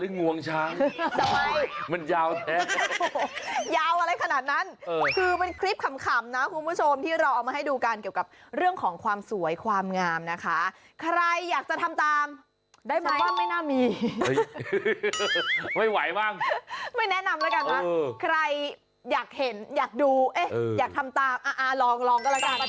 นี่มันขนตาหรืองวงช้าง